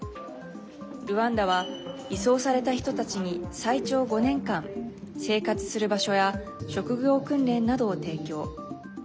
ルワンダは移送された人たちに最長５年間、生活する場所や職業訓練などを提供。